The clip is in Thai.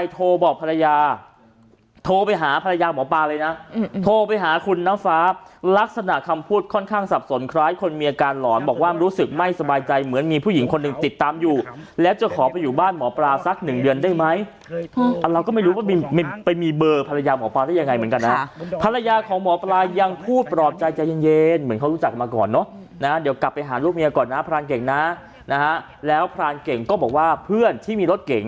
โทรไปหาภรรยาหมอปราเลยนะโทรไปหาคุณน้ำฟ้าลักษณะคำพูดค่อนข้างสับสนคล้ายคนเมียการหลอนบอกว่ามันรู้สึกไม่สบายใจเหมือนมีผู้หญิงคนหนึ่งติดตามอยู่แล้วจะขอไปอยู่บ้านหมอปราสักหนึ่งเดือนได้ไหมเราก็ไม่รู้ว่าไปมีเบอร์ภรรยาหมอปราได้ยังไงเหมือนกันนะภรรยาของหมอปรายังพูดปลอบใจเย็นเหม